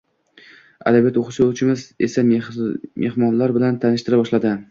Adabiyot o`qituvchimiz esa mehmonlar bilan tanishtira boshladi